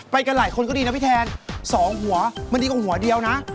กันหลายคนก็ดีนะพี่แทน๒หัวมันดีกว่าหัวเดียวนะ